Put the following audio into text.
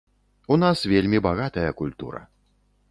У нас вельмі багатая культура.